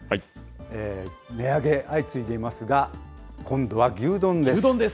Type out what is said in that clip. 値上げ、相次いでいますが、今度は牛丼です。